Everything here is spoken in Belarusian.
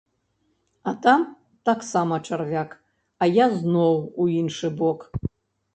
А там таксама чарвяк, а я зноў у іншы бок.